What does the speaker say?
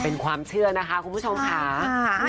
เป็นความเชื่อนะคะคุณผู้ชมค่ะ